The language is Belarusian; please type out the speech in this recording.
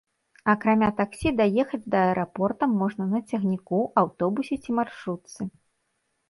Акрамя таксі даехаць да аэрапорта можна на цягніку, аўтобусе ці маршрутцы.